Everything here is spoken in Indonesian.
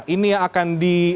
ini yang akan